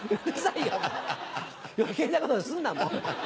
余計なことすんなもう。